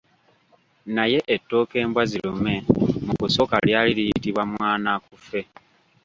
Naye ettooke mbwazirume mu kusooka lyali liyitibwa mwanaakufe.